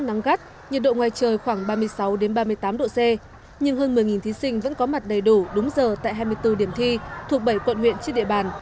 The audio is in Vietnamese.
nắng gắt nhiệt độ ngoài trời khoảng ba mươi sáu ba mươi tám độ c nhưng hơn một mươi thí sinh vẫn có mặt đầy đủ đúng giờ tại hai mươi bốn điểm thi thuộc bảy quận huyện trên địa bàn